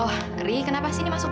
oh ri kenapa sini masuk